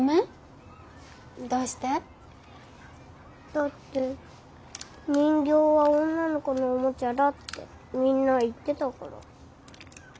だって人形は女の子のおもちゃだってみんな言ってたから。